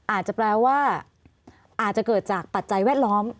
อาจจะแปลว่าอาจจะเกิดจากปัจจัยแวดล้อม